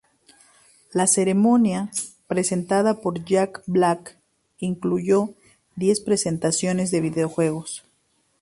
La ceremonia, presentada por Jack Black, incluyó diez presentaciones de videojuegos.